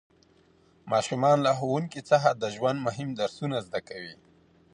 ماشومان له ښوونکي څخه د ژوند مهم درسونه زده کوي